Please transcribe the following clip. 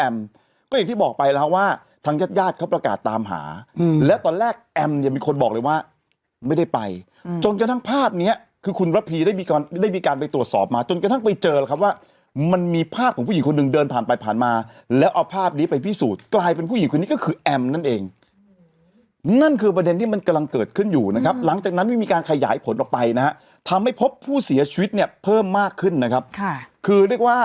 มีการไปตรวจสอบมาจนกระทั่งไปเจอแหละครับว่ามันมีภาพของผู้หญิงคนนึงเดินผ่านไปผ่านมาแล้วเอาภาพนี้ไปพิสูจน์กลายเป็นผู้หญิงคนนี้ก็คือแอมนั่นเองนั่นคือประเด็นที่มันกำลังเกิดขึ้นอยู่นะครับหลังจากนั้นมันมีการขยายผลออกไปนะฮะทำให้พบผู้เสียชีวิตเนี่ยเพิ่มมากขึ้นนะครับค่ะคือเรี